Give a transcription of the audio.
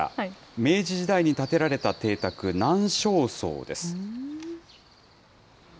明治時代に建てられた邸宅、南昌荘です。